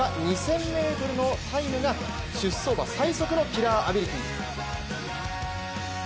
芝２０００ｍのタイムが出走馬最速のキラーアビリティ。